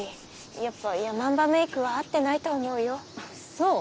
やっぱヤマンバメイクは合ってないと思うよそう？